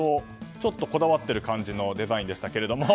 ちょっとこだわってる感じのデザインでしたけど。